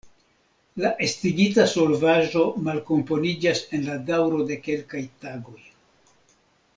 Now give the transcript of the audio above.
La estigita solvaĵo malkomponiĝas en la daŭro de kelkaj tagoj.